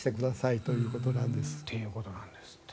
ということなんですって。